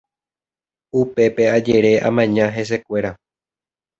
Upépe ajere amaña hesekuéra.